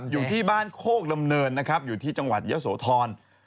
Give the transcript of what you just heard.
อยู่ที่บ้านโคกดำเนินนะครับอยู่ที่จังหวัดเยอะโสธร